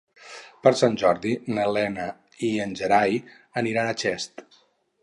Per Sant Jordi na Lena i en Gerai aniran a Xest.